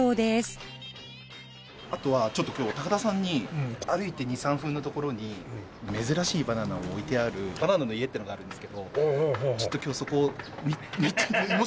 あとはちょっと今日高田さんに歩いて２３分の所に珍しいバナナを置いてあるバナナの家っていうのがあるんですけどちょっと今日そこもしよかったら時間あれば。